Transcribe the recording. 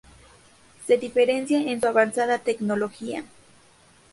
Se diferencia en su avanzada tecnología.